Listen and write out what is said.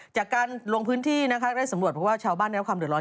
จากการลงพื้นที่นะฮะได้สำรวจว่าชาวบ้านมีความเดือดร้อน